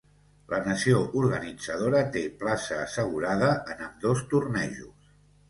La nació organitzadora té plaça assegurada en ambdós tornejos.